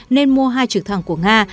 nên mua hai trực thăng của ngàn